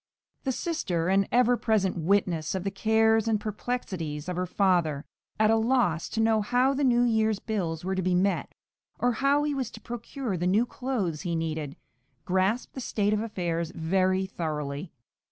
The sister, an ever present witness of the cares and perplexities of her father, at a loss to know how the new year's bills were to be met, or how he was to procure the new clothes he needed, grasped the state of affairs very thoroughly.